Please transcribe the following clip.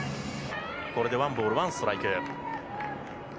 これでワンボールワンストライク。